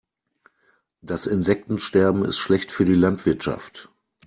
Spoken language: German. Das Insektensterben ist schlecht für die Landwirtschaft.